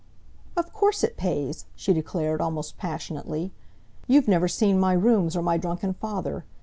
"Of course it pays!" she declared, almost passionately. "You've never seen my rooms or my drunken father.